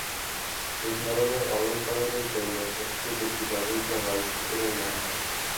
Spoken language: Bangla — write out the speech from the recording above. এ ধরনের অলঙ্করণের জন্য সবচেয়ে বেশি ব্যবহৃত হয় শূকরের মাথা।